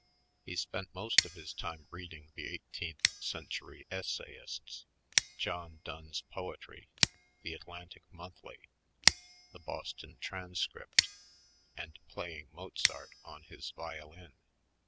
He spent most of his time reading the eighteenth century essayists, John Donne's poetry, the "Atlantic Monthly," the "Boston Transcript," and playing Mozart on his violin.